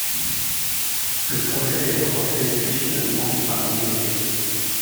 Le projet est reporté puis finalement abandonné.